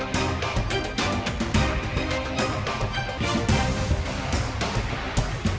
ya aku sama